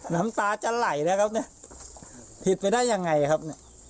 น้ำตาจะไหลนะครับเนี่ยผิดไปได้ยังไงครับ